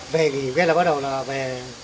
về thì bắt đầu là về